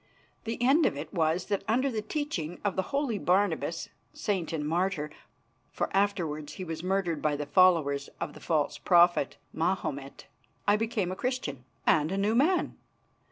The end of it was that under the teaching of the holy Barnabas, saint and martyr (for afterwards he was murdered by the followers of the false prophet, Mahomet), I became a Christian and a new man.